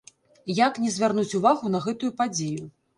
Як не звярнуць увагу на гэтую падзею!